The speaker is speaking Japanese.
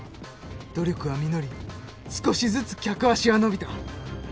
努力は実り少しずつ客足は伸びた。